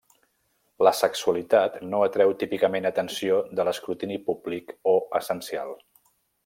L'asexualitat no atreu típicament atenció de l'escrutini públic o essencial.